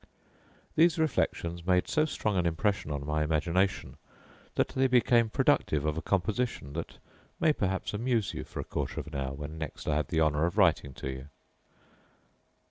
These reflections made so strong an impression on my imagination, that they became productive of a composition that may perhaps amuse you for a quarter of an hour when next I have the honour of writing to you.